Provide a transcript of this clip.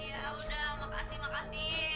ya udah makasih makasih